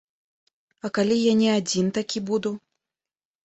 А калі я не адзін такі буду?